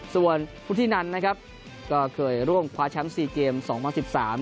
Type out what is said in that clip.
ส่วนผู้ที่นั้นนะครับก็เคยร่วมคว้าแชมป์๔เกม๒๐๑๓